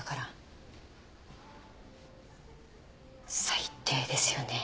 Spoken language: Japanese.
最低ですよね。